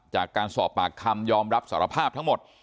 จากการสอบปากคำยอมรับสารภาพทั้งหมด